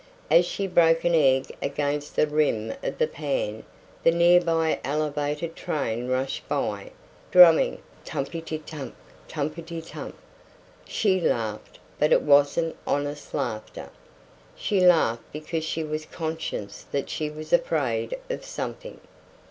As she broke an egg against the rim of the pan the nearby Elevated train rushed by, drumming tumpitum tump! tumpitum tump! She laughed, but it wasn't honest laughter. She laughed because she was conscious that she was afraid of something.